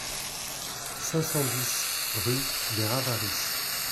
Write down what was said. cinq cent dix rue des Ravarys